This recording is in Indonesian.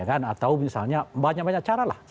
atau misalnya banyak banyak cara lah